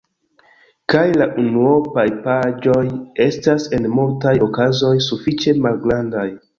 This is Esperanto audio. Kaj la unuopaj paĝoj estas en multaj okazoj sufiĉe malgrandaj.